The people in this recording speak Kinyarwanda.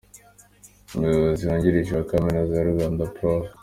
Umuyobozi wungirije wa Kaminuza y’u Rwanda, Prof.